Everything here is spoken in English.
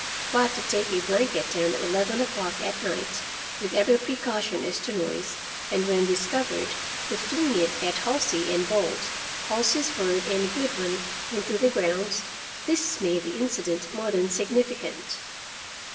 But to take a blanket down at eleven o'clock at night, with every precaution as to noise, and, when discovered, to fling it at Halsey and bolt—Halsey's word, and a good one—into the grounds,—this made the incident more than significant.